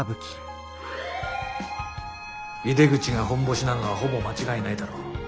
井出口がホンボシなのはほぼ間違いないだろう。